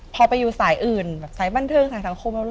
พอไปอยู่สายอื่นแบบสายบันเทิงสายสังคม